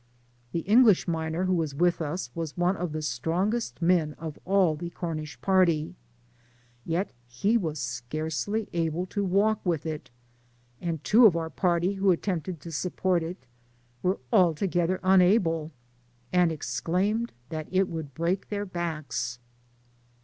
The English miner who was with us was one of the strongest men of all the Cornish party, yet he was scarcely able to walk with it, and two of our party Digitized byGoogk OF SA19 P1]>R0 K0LA8C0* SS7 who attempted to support it were altogether un able, and exclaimed " that it would break their backs.''